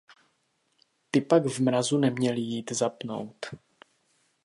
Ty pak v mrazu neměly jít zapnout.